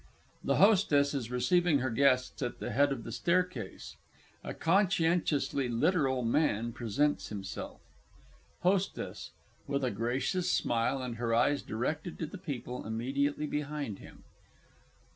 THE HOSTESS is receiving her Guests at the head of the staircase; a CONSCIENTIOUSLY LITERAL MAN presents himself. HOSTESS (with a gracious smile, and her eyes directed to the people immediately behind him).